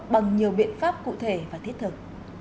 bằng nhiều biện pháp cụ thể và thiết thực